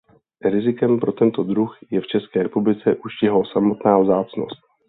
Rizikem pro tento druh je v České republice už jeho samotná vzácnost.